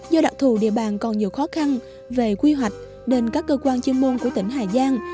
do đặc thù địa bàn còn nhiều khó khăn về quy hoạch nên các cơ quan chuyên môn của tỉnh hà giang